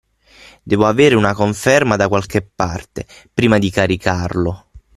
Devo avere una conferma da qualche parte prima di caricarlo.